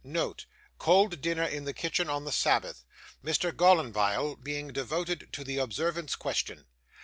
Note. Cold dinner in the kitchen on the Sabbath, Mr. Gallanbile being devoted to the Observance question.